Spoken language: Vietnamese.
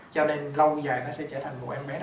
cho nên lâu dài nó sẽ trở thành một em bé